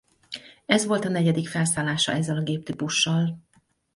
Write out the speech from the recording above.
Ez volt a negyedik felszállása ezzel a géptípussal.